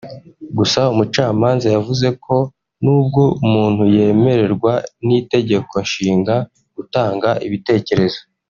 Gusa Umucamanza yavuze ko nubwo umuntu yemererwa n’Itegeko Nshinga gutanga ibitekerezo